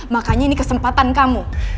makanya ini kesempatan kamu